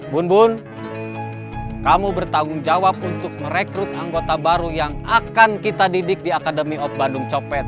bun bun kamu bertanggung jawab untuk merekrut anggota baru yang akan kita didik di academy of bandung copet